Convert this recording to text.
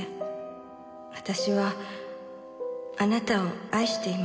「私はあなたを愛していました」